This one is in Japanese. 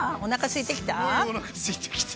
すごいおなかすいてきた。